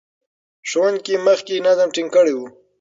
ښوونکي مخکې نظم ټینګ کړی و.